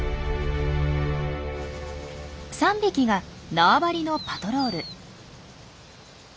３匹が縄張りのパトロール。